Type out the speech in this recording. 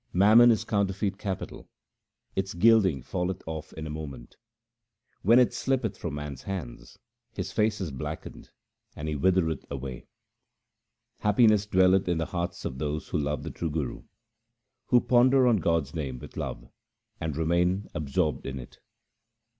Mammon is counterfeit capital ; its gilding falleth off in a moment. 1 Literally — most unripe. 202 THE SIKH RELIGION When it slippeth from man's hands, his face is blackened, and he withereth away. Happiness dwelleth in the hearts of those who love the true Guru, Who ponder on God's name with love and remain ab sorbed in it.